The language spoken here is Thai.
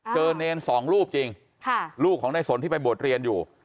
เนรสองรูปจริงลูกของในสนที่ไปบวชเรียนอยู่